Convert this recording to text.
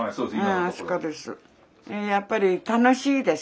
そうです